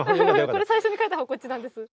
最初に書いたほうこっちなんです。